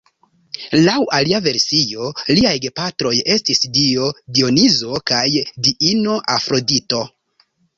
Laŭ alia versio liaj gepatroj estis dio Dionizo kaj diino Afrodito.